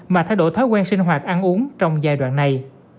mà thay đổi thói quen sinh hoạt ăn uống trong giai đoạn này